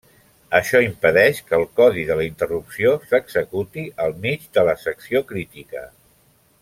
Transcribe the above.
Això impedeix que el codi de la interrupció s'executi al mig de la secció crítica.